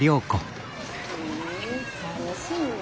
楽しいね。